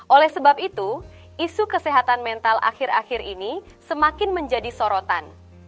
oleh sebab itu isu kesehatan mental akhir akhir ini semakin menjadi sorotan